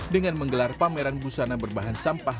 dengan menggelar pameran busana berbahan sampah